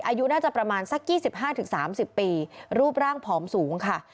อายุน่าจะประมาณสักยี่สิบห้าถึงสามสิบปีรูปร่างผอมสูงค่ะ